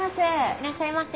いらっしゃいませ。